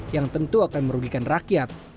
yang tentu akan merugikan rakyat